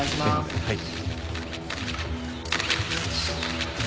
はい。